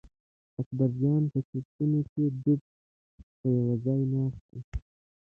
اکبرجان په چورتونو کې ډوب په یوه ځای ناست و.